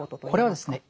これはですね